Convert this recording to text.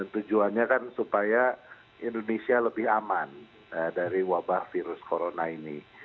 tujuannya kan supaya indonesia lebih aman dari wabah virus corona ini